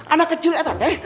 anak kecil eh teteh